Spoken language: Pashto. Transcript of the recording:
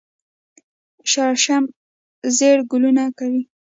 شړشم ژیړ ګلونه کوي